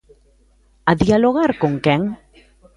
¿A dialogar con quen?